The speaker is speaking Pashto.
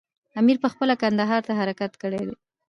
امیر پخپله کندهار ته حرکت کړی وو.